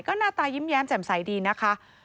ก็หน้าตายิ้มแจ่มใสดีนะคะ